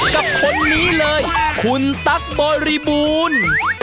กับคนนี้เลยคุณตั๊กบริบูรณ์